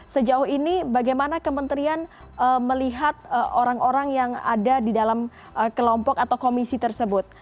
sejauh ini bagaimana kementerian melihat orang orang yang ada di dalam kelompok atau komisi tersebut